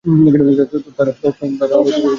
তারা ইরান থেকে ফিরে আসা আজারবাইজানীয় নাগরিক ছিল।